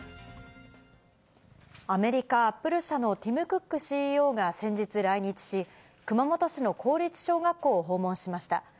アメリカ・アップル社のティム・クックＣＥＯが先日来日し、熊本市の公立小学校を訪問しました。